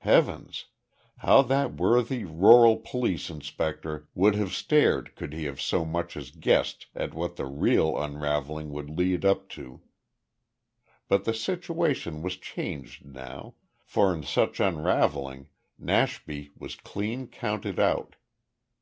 Heavens, how that worthy rural police inspector would have stared could he have so much as guessed at what that real unravelling would lead up to! But the situation was changed now, for in such unravelling Nashby was clean counted out.